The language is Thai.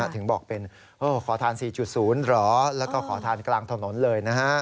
ถึงบอกเป็นขอทาน๔๐เหรอแล้วก็ขอทานกลางถนนเลยนะฮะ